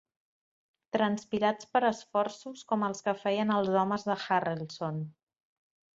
Transpirats per esforços com els que feien els homes de Harrelson.